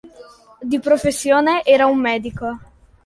Di professione era un medico.